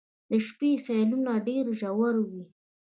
• د شپې خیالونه ډېر ژور وي.